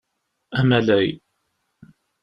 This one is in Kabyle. Amalay.